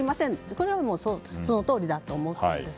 これは、そのとおりだと思っています。